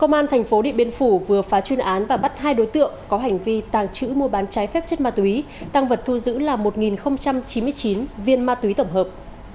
công an thành phố điện biên phủ vừa phá chuyên án và bắt hai đối tượng có hành vi tàng trữ mua bán trái phép chất ma túy tăng vật thu giữ là một chín mươi chín viên ma túy tổng hợp